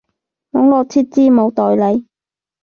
網路設置冇代理